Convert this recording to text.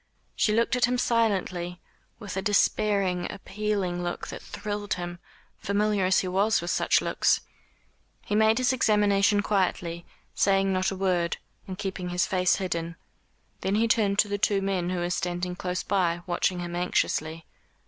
She looked at him silently, with a despairing appealing look that thrilled him, familiar as he was with such looks. He made his examination quietly, saying not a word, and keeping his face hidden. Then he turned to the two men who were standing close by, watching him anxiously.